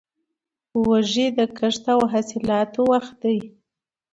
وږی د کښت او حاصلاتو وخت دی.